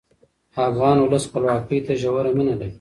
افغان ولس خپلواکۍ ته ژوره مینه لري.